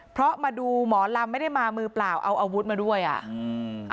เพราะมาดูหมอลำไม่ได้มามือเปล่าเอาอาวุธมาด้วยอ่ะอืม